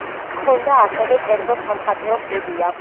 ჰქონდა ასევე კერძო სამხატვრო სტუდია.